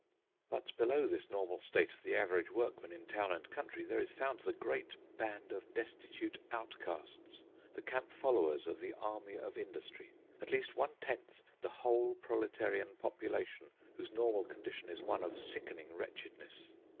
. But below this normal state of the average workman in town and country, there is found the great band of destitute outcasts—the camp followers of the army of industry—at least one tenth the whole proletarian population, whose normal condition is one of sickening wretchedness.